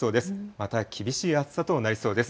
また厳しい暑さとなりそうです。